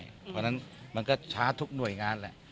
เพราะฉะนั้นมันก็ช้าทุกหน่วยงานแหละ